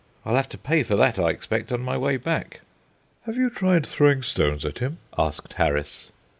I'll have to pay for that, I expect, on my way back." "Have you tried throwing stones at him?" asked Harris.